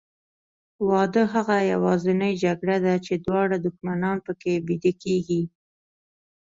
واده هغه یوازینۍ جګړه ده چې دواړه دښمنان پکې بیده کېږي.